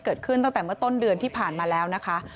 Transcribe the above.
เกิดขึ้นตั้งแต่เมื่อต้นเดือนที่ผ่านมาแล้วนะคะ